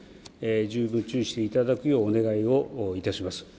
十分注意していただくようお願いをいたします。